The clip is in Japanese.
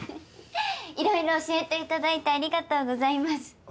色々教えていただいてありがとうございます。